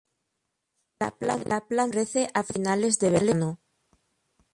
La planta florece a finales de verano.